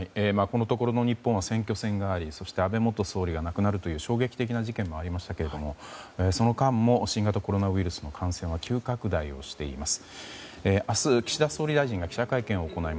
このところの日本は選挙戦がありそして安倍元総理が亡くなるという衝撃的な事件もありましたけどもその間も新型コロナウイルスの感染は急拡大をしています。